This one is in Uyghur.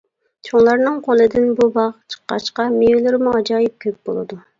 چوڭلارنىڭ قولىدىن بۇ باغ چىققاچقا مېۋىلىرىمۇ ئاجايىپ كۆپ بولىدۇ.